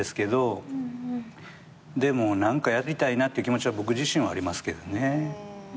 でも何かやりたいなって気持ちは僕自身はありますけどね。